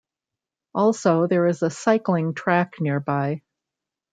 Also, there is a cycling track nearby.